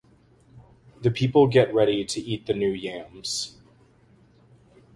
The people get ready to eat the new yams.